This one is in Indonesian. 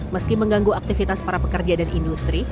meski mengganggu aktivitas para pekerja dan industri